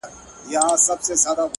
د چا په خدای په امانۍ ځان غمجنوې